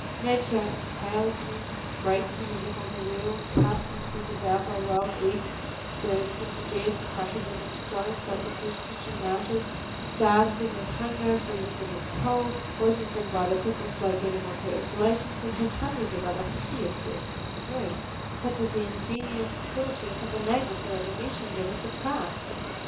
Nature impales men, breaks them as if on the wheel, casts them to be devoured by wild beasts, burns them to death, crushes them w r ith stones like the first Christian martyr, starves them with hunger, freezes them with cold, poisons them by the quick or slow venom of her ex halations, and has hundreds of other hideous deaths in reserve, such as the ingenious cruelty of a Nabis or a Domitian never surpassed.